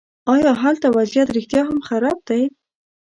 ایا هلته وضعیت رښتیا هم خراب دی.